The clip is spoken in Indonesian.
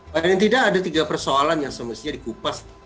paling tidak ada tiga persoalan yang semestinya dikupas